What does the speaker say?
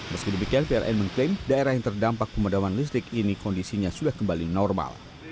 meski demikian pln mengklaim daerah yang terdampak pemadaman listrik ini kondisinya sudah kembali normal